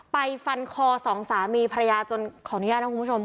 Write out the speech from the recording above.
ไปฟันคอสองสามีภรรยาจนของนิยาทั้งคุณผู้ชม